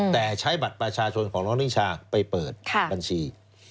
แต่ใช้บัตรประชาชนของน้องนิชาไปเปิดบัญชี